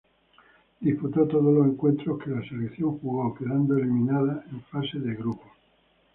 Disputó todos los encuentros que la selección jugó, quedando eliminada en fase de grupos.